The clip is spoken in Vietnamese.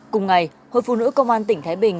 cùng ngày hội phụ nữ công an tỉnh thái bình